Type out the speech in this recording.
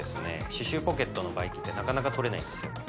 歯周ポケットのばい菌ってなかなかとれないんですよ